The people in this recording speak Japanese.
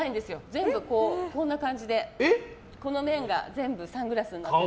全部こんな感じで、この面が全部サングラスになってる。